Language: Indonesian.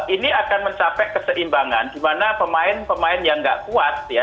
ini akan mencapai keseimbangan di mana pemain pemain yang nggak kuat ya